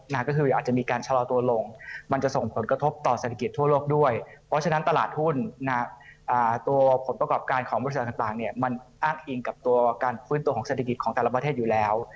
และเบอร์ของเศรษฐกิจของแต่ละประเทศอยู่แล้ว